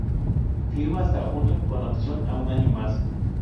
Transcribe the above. Firma hasta junio, con opción a un año más.